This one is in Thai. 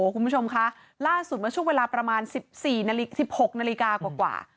คุณผู้ชมคะล่าสุดเมื่อช่วงเวลาประมาณ๑๔๑๖นาฬิกากว่า